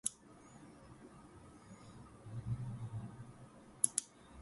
God calls us to submit to these authorities